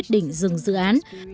định dừng dự án